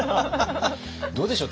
どうでしょう？